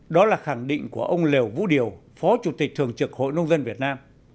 đó là khẳng định của ông lều vũ điều phó chủ tịch thường trực hội nông dân việt nam